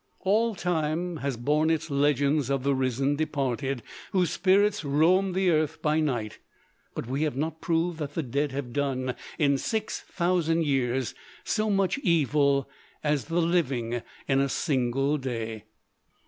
All time has borne its legends of the risen departed, whose spirits roam the earth by night; but we have not proved that the dead have done in six thousand years so much evil as the living in a single day.